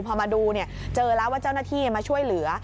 พอมาดูเจอแล้วว่าเจ้าหน้าที่มาช่วยเหลือ